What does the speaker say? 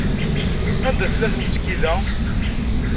Anda tella tmezgida?